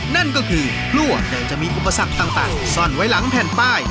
นั่นก็คือพลั่วแต่จะมีอุปสรรคต่างซ่อนไว้หลังแผ่นป้าย